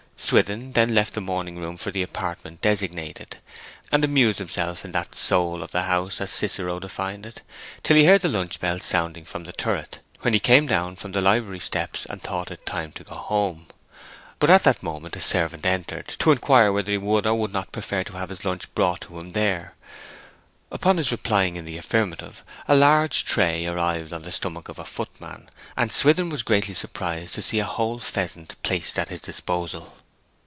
Swithin then left the morning room for the apartment designated, and amused himself in that 'soul of the house,' as Cicero defined it, till he heard the lunch bell sounding from the turret, when he came down from the library steps, and thought it time to go home. But at that moment a servant entered to inquire whether he would or would not prefer to have his lunch brought in to him there; upon his replying in the affirmative a large tray arrived on the stomach of a footman, and Swithin was greatly surprised to see a whole pheasant placed at his disposal.